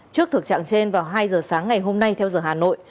trước thực trạng trên vào hai giờ sáng ngày hôm nay theo giờ hà nội